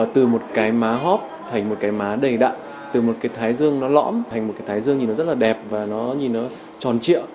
từ một cái má hóp thành một cái má đầy đặn từ một cái thái dương nó lõm thành một cái thái dương thì nó rất là đẹp và nó nhìn nó tròn triệu